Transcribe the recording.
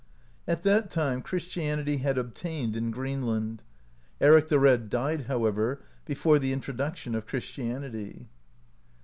At that time Christianity had obtained in Greenland ; Eric the Red died, however, before [the introduction of] Christianity.